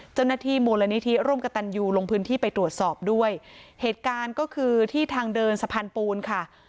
เจ้าหน้าที่มูลนิธิร่วมกับตันยูลงพื้นที่ไปตรวจสอบด้วยเหตุการณ์ก็คือที่ทางเดินสะพานปูนค่ะ